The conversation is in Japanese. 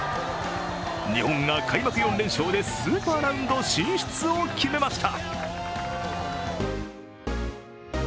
日本が開幕４連勝でスーパーラウンド進出を決めました。